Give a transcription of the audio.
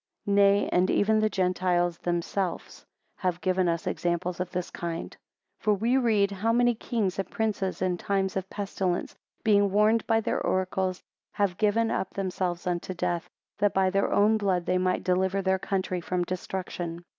17 Nay and even the Gentiles themselves have given us examples of this kind. 18 For we read, How many kings and princes, in times of pestilence, being warned by their oracles, have given up themselves unto death; that by their own blood, they might deliver their country from destruction.